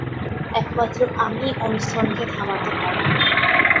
একমাত্র আমিই ওরসনকে থামাতে পারব।